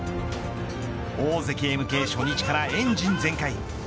大関へ向け初日からエンジン全開。